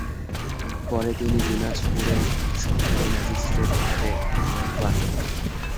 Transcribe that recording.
পরে তিনি দিনাজপুরে সহকারী ম্যাজিস্ট্রেট পদে নিয়োগ পান।